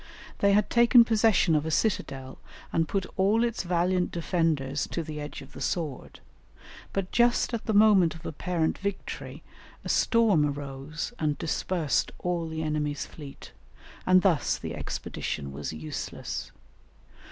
They had taken possession of a citadel and put all its valiant defenders to the edge of the sword, but just at the moment of apparent victory a storm arose and dispersed all the enemy's fleet, and thus the expedition was useless.